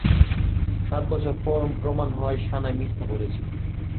সাত বছর পর প্রমাণ হয় সানাই মিথ্যা বলেছিল।